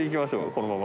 このまま。